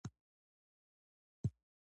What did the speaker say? د سلوک نرمولو ته مجبور کړ.